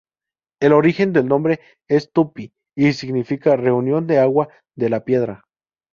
El origen del nombre es tupí y significa "reunión de agua de la piedra".